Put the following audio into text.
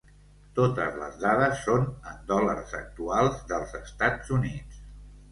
Totes les dades són en dòlars actuals dels Estats Units.